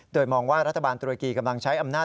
โดยมองว่ารัฐบาลตุรกีกำลังใช้อำนาจ